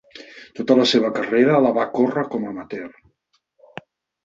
Tota la seva carrera la va córrer com a amateur.